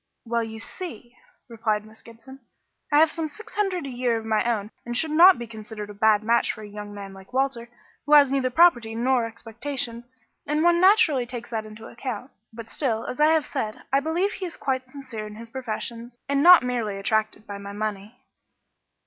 "Well, you see," replied Miss Gibson, "I have some six hundred a year of my own and should not be considered a bad match for a young man like Walter, who has neither property nor expectations, and one naturally takes that into account. But still, as I have said, I believe he is quite sincere in his professions and not merely attracted by my money."